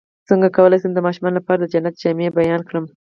څنګه کولی شم د ماشومانو لپاره د جنت جامې بیان کړم